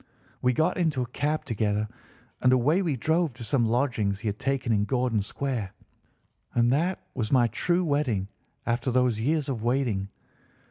We got into a cab together, and away we drove to some lodgings he had taken in Gordon Square, and that was my true wedding after all those years of waiting.